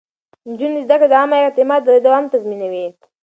د نجونو زده کړه د عامه اعتماد دوام تضمينوي.